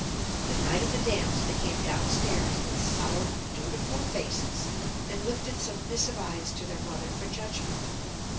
The night of the dance they came down stairs with solemn, dutiful faces, and lifted submissive eyes to their mother for judgment.